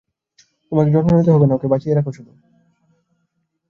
তোমাকে যত্ন নিতে হবে না, ওকে বাঁচিয়ে রাখো শুধু।